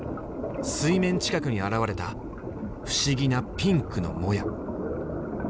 水面近くに現れた不思議なピンクのモヤ。